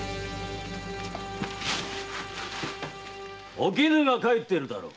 おきぬが帰っているだろう！